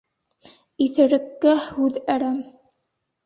Иҫереккә һүҙ әрәм.